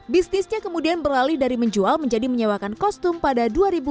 bisnisnya kemudian berlali dari menjual menjadi menyewakan kostum pada dua ribu enam belas